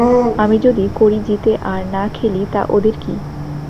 আমি যদি কড়ি জিতে আর না খেলি তা ওদের কি?